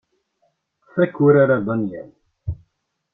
Fakk urar a Danyal.